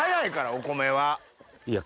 お米は。